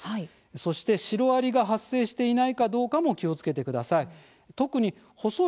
そしてシロアリが発生していないかどうかも気をつけてください。